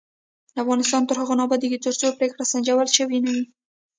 افغانستان تر هغو نه ابادیږي، ترڅو پریکړې سنجول شوې نه وي.